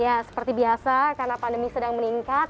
ya seperti biasa karena pandemi sedang meningkat